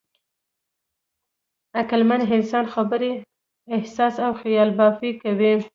عقلمن انسان خبرې، احساس او خیالبافي کوي.